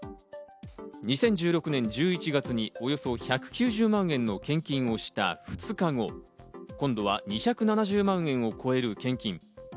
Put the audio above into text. ２０１６年１１月におよそ１９０万円の献金をした２日後、今度は２７０万円を超える献金。